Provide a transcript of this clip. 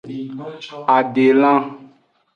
Adelan.